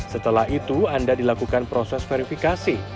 setelah itu anda dilakukan proses verifikasi